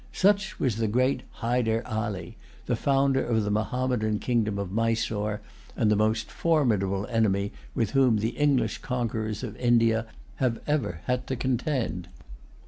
Such was the great Hyder Ali, the founder of the Mahommedan kingdom of Mysore, and the most formidable enemy with whom the English conquerors of India have ever had to contend.